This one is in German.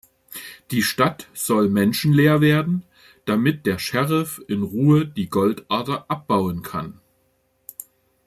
Die Stadt soll menschenleer werden, damit der Sheriff in Ruhe die Goldader abbauen kann.